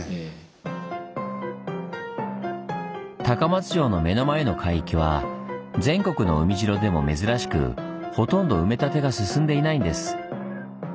高松城の目の前の海域は全国の海城でも珍しくほとんど埋め立てが進んでいないんです。